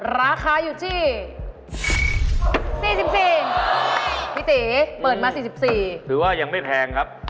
ราคาอยู่ที่๔๔พี่ตีเปิดมา๔๔ถือว่ายังไม่แพงครับ